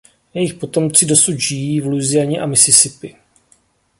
Jejich potomci dosud žijí v Louisianě a Mississippi.